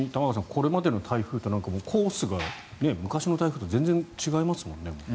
これまでの台風と、コースが昔の台風と全然違いますもんね。